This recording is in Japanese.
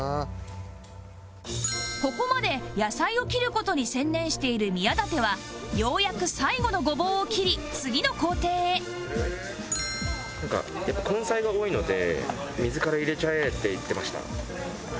ここまで野菜を切る事に専念している宮舘はようやく最後のごぼうを切り次の工程へなんかやっぱ根菜が多いので「水から入れちゃえ」って言ってました。